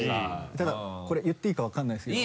ただこれ言っていいか分からないですけども。